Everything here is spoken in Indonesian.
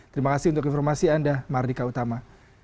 terima kasih untuk informasi anda mbak ardika utama